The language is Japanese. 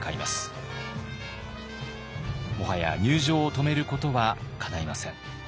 もはや入城を止めることはかないません。